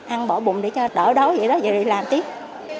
ăn bỏ bụng để cho đỡ đói vậy đó vậy là làm tiếp